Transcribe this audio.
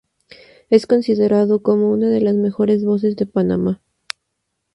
Es considerado como una de las mejores voces de Panamá.